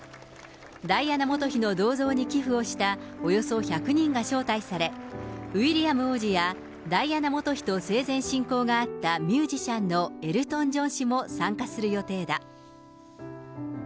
ダイアナ元妃の銅像に寄付をしたおよそ１００人が招待され、ウィリアム王子や、ダイアナ元妃と生前親交があったミュージシャンのエルトン・ジョン氏も参加する予定だ。